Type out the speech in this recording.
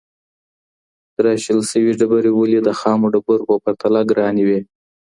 تراشل سوې ډبرې ولي د خامو ډبرو په پرتله ګرانې وې؟